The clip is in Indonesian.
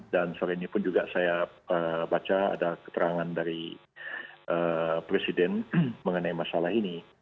dan sore ini pun saya baca ada keterangan dari presiden mengenai masalah ini